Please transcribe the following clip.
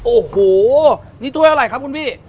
โอ้โหนี่ถ้วยอะไรครับคุณพี่